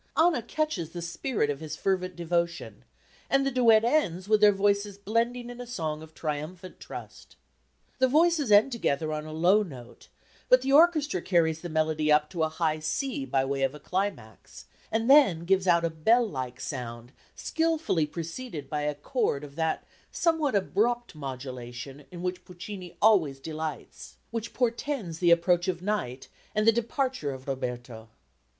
Anna catches the spirit of his fervent devotion, and the duet ends with their voices blending in a song of triumphant trust. The voices end together on a low note, but the orchestra carries the melody up to a high C by way of a climax, and then gives out a bell like sound skilfully preceded by a chord of that somewhat abrupt modulation in which Puccini always delights, which portends the approach of night and the departure of Roberto.